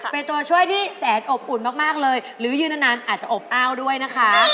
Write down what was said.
เป็นตัวช่วยที่แสนอบอุ่นมากเลยหรือยืนนานอาจจะอบอ้าวด้วยนะคะ